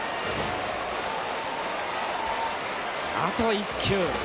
あと一球。